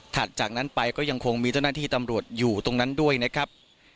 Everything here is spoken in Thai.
จากนั้นไปก็ยังคงมีเจ้าหน้าที่ตำรวจอยู่ตรงนั้นด้วยนะครับ